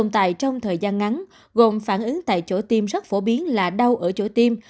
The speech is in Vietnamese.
tại trong thời gian ngắn gồm phản ứng tại chỗ tiêm rất phổ biến là đau ở chỗ tiêm